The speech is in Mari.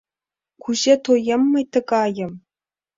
Кузе тоем мый тыгайым?